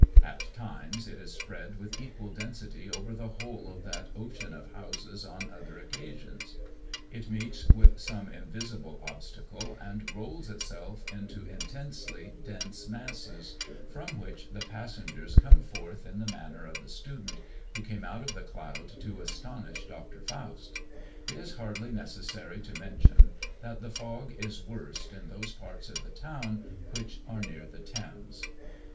At times, it is spread with equal density over the whole of that ocean of houses on other occasions, it meets with some invisible obstacle, and rolls itself into intensely dense masses, from which the passengers come forth in the manner of the student who came out of the cloud to astonish Dr. Faust. It is hardly necessary to mention, that the fog is worst in those parts of the town which are near the Thames.